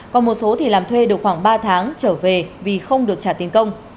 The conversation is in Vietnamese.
còn một số thì làm thuê được khoảng ba tháng trở về vì không được trả tiền công